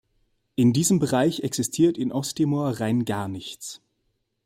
In diesem Bereich existiert in Osttimor rein gar nichts.